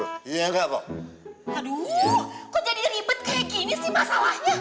aduh kok jadi ribet kayak gini sih masalahnya